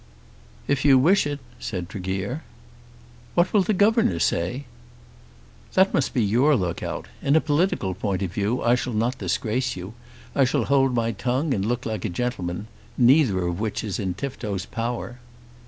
"If you wish it," said Tregear. "What will the governor say?" "That must be your look out. In a political point of view I shall not disgrace you. I shall hold my tongue and look like a gentleman, neither of which is in Tifto's power."